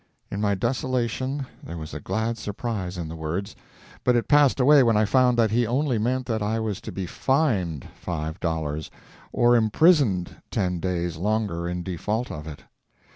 In my desolation there was a glad surprise in the words; but it passed away when I found that he only meant that I was to be fined five dollars or imprisoned ten days longer in default of it.